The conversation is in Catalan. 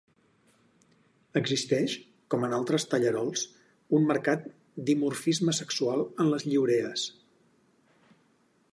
Existeix, com en altres tallarols, un marcat dimorfisme sexual en les lliurees.